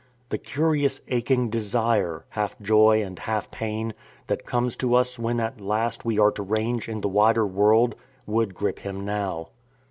The curious aching desire, half joy and half pain, that comes to us when at last we are to range in the wider world, would grip him now.